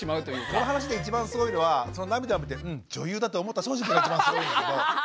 この話で一番すごいのはその涙を見てうん女優だと思った庄司くんが一番すごいんだけど本来は。